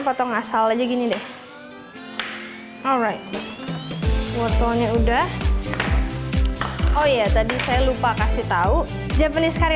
potong asal aja gini deh fotonya udah oh iya tadi saya lupa kasih tahu japanese curr